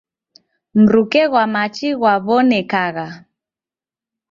Mruke ghwa machi ghwaw'onekagha.